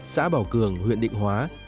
xã bảo cường huyện định hóa